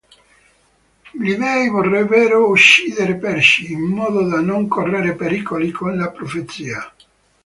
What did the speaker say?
Gli Dei vorrebbero uccidere Percy, in modo da non correre pericoli con la profezia.